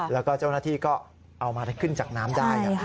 แล้วก็เจ้าหน้าที่ก็เอามาขึ้นจากน้ำได้